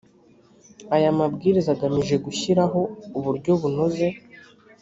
aya mabwiriza agamije gushyiraho uburyo bunoze